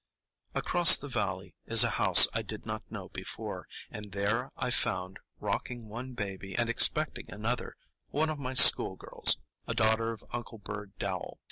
Across the valley is a house I did not know before, and there I found, rocking one baby and expecting another, one of my schoolgirls, a daughter of Uncle Bird Dowell.